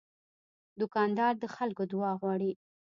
دوکاندار د خلکو دعا غواړي.